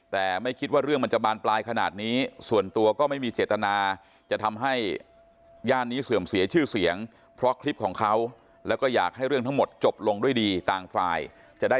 แต่ไม่คิดว่าเรื่องมันจะบานปลายขนาดนี้ส่วนตัวก็ไม่มีเจตนา